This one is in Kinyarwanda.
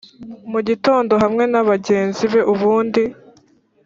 mugitondo hamwe na bagenzi be ubundi